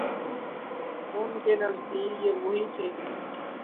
ان کے نزدیک یہ وہی تھے۔